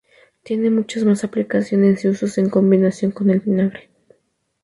Tiene muchas más aplicaciones y usos en combinación con el vinagre.